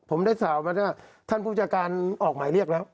ผมได้สาวมาท่านผู้จัดการออกหมายเรียกแล้ว